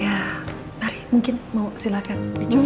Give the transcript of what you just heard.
ya ari mungkin mau silakan